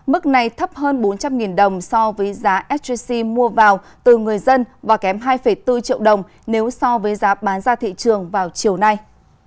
mức này thấp hơn bốn trăm linh đồng so với giá sjc mua vào từ người dân và kém hai bốn triệu đồng nếu so với giá bán ra thị trường vào chiều nay